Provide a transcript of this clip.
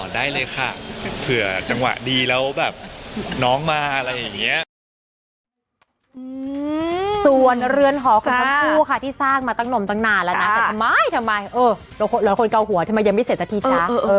โดยคนเก่าหัวทำไมยังไม่เสร็จสักทีนะ